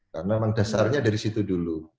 karena memang dasarnya dari situ dulu